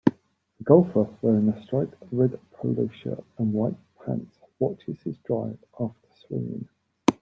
A golfer wearing a striped red polo shirt and white pants watches his drive after swinging.